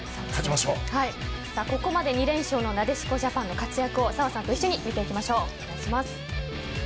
ここまで２連勝のなでしこジャパンの活躍を澤さんと一緒に見ていきましょう。